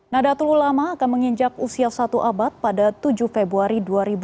nadatul ulama akan menginjak usia satu abad pada tujuh februari dua ribu dua puluh